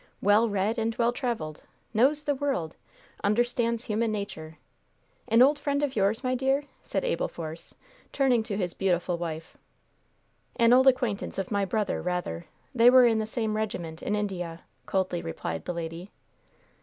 Well read and well traveled! Knows the world! Understands human nature! An old friend of yours, my dear?" said Abel Force, turning to his beautiful wife. "An old acquaintance of my brother, rather. They were in the same regiment in India," coldly replied the lady.